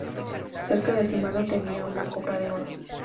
Cerca de su mano tenía una copa de oro.